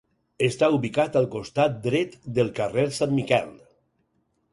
Està ubicat al costat dret del carrer Sant Miquel.